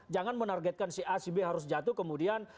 jangan menargetkan si a si b harus jatuh kemudian